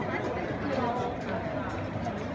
พี่แม่ที่เว้นได้รับความรู้สึกมากกว่า